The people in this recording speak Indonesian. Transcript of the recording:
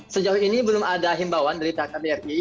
sejauh ini belum ada himbawan dari kkbri